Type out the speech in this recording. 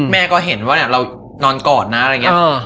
แม่ก็เห็นว่าเรานอนกอดนะอะไรอย่างนี้